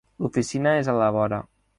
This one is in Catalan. L'oficina és a la vora.